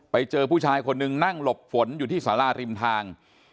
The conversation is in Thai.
ไปเจอผู้ชายคนหนึ่งนั่งหลบฝนอยู่ที่สาราริมทาง